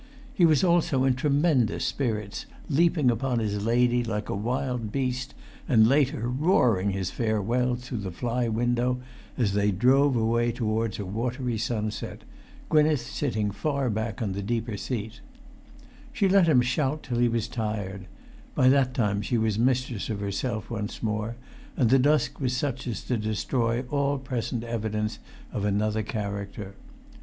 He was also in tremendous spirits, leaping upon his lady like a wild beast, and, later, roaring his farewells through the fly window, as they drove away towards a watery[Pg 405] sunset, Gwynneth sitting far back on the deeper seat She let him shout till he was tired; by that time she was mistress of herself once more, and the dusk was such as to destroy all present evidence of another character.